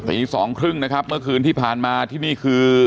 ตีสองครึ่งนะครับเมื่อคืนที่ผ่านมาที่นี่คือ